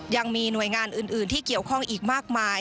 ยังมีหน่วยงานอื่นที่เกี่ยวข้องอีกมากมาย